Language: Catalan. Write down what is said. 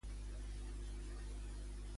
En quin cas intervindria el govern espanyol?